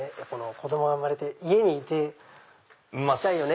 子供が生まれて家にいたいよね！